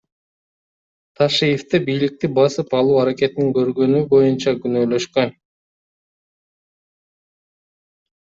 Ташиевди бийликти басып алуу аракетин көргөнү боюнча күнөөлөшкөн.